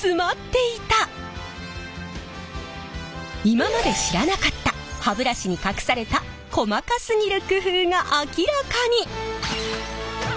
今まで知らなかった歯ブラシに隠された細かすぎる工夫が明らかに！